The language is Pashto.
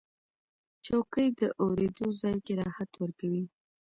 چوکۍ د اورېدو ځای کې راحت ورکوي.